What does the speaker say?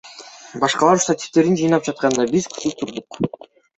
Башкалар штативдерин жыйнап жатышканда, биз күтүп турдук.